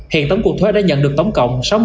hiện tấm cuộc thuế đã nhận được tổng cộng